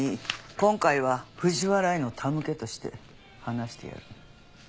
今回は藤原への手向けとして話してやる。